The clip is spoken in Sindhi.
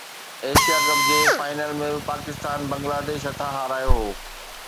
ايشيا ڪپ جي فائنل ۾ به پاڪستان بنگلاديش هٿان هارايو هو